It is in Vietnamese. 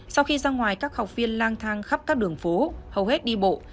sau khi ra ngoài các học viên lang thang khắp các đường phố hầu hết đi bộ